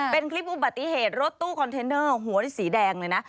เป็นคลิปอุบัติเหตุรถตู้คอนเทนเนอร์หัวสีแดงเลยนะ